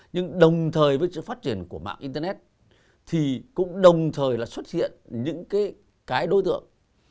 nhưng đồng thời với sự phát triển của mạng internet thì cũng đồng thời là xuất hiện những cái đối tượng